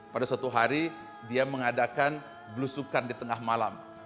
pada suatu hari dia mengadakan belusukan di tengah malam